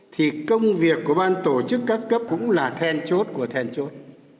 thì công việc của ban tổ chức các cấp cũng là then chốt của thèn chốt